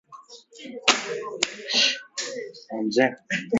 At one point, it served as the headquarters of a police detachment.